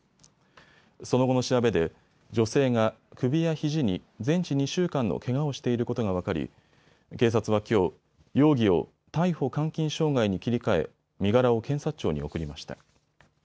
その後の調べで女性が首やひじに全治２週間のけがをしていることが分かり警察はきょう、容疑を逮捕監禁傷害に切り替え身柄を検察庁に送りました。